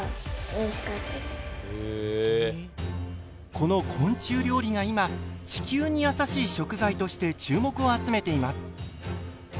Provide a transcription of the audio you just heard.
この昆虫料理が今地球に優しい食材として注目を集めています。